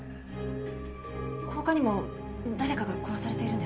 他にも誰かが殺されているんですか？